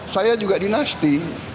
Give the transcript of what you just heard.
saya juga dinasti